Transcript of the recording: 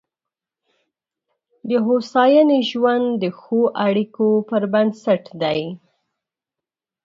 د هوساینې ژوند د ښو اړیکو پر بنسټ دی.